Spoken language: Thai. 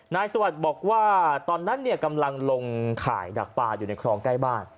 สวัสดิ์บอกว่าตอนนั้นเนี่ยกำลังลงข่ายดักปลาอยู่ในคลองใกล้บ้าน